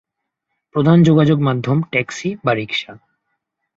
প্রধান যোগাযোগ মাধ্যম টেক্সী/রিক্সা।